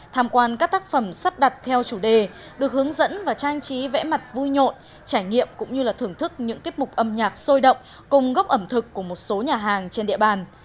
tham quan các tác phẩm sắp đặt theo chủ đề được hướng dẫn và trang trí vẽ mặt vui nhộn trải nghiệm cũng như là thưởng thức những tiết mục âm nhạc sôi động cùng gốc ẩm thực của một số nhà hàng trên địa bàn